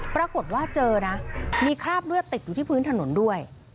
ปรากฏว่าเจอนะมีคราบเลือดติดอยู่ที่พื้นถนนด้วย